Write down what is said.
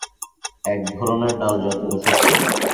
একধরনের ডাল জাতীয় শস্য।